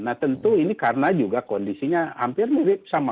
nah tentu ini karena juga kondisinya hampir mirip sama